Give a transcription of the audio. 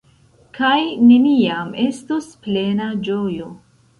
Kaj neniam estos plena ĝojo.